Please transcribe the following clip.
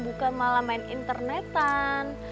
bukan malah main internetan